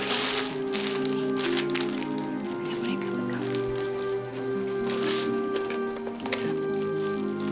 ada boneka buat kamu